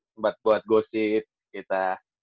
sempat buat gosip kita